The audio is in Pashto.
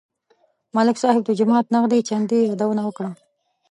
ملک صاحب د جومات نغدې چندې یادونه وکړه.